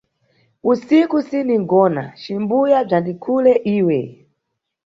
Usiku sinʼgona, cimbuya bzandikhule iwe.